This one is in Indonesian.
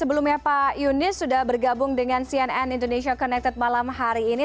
sebelumnya pak yunis sudah bergabung dengan cnn indonesia connected malam hari ini